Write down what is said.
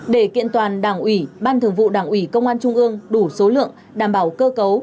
để kiện toàn đảng ủy ban thường vụ đảng ủy công an trung ương đủ số lượng đảm bảo cơ cấu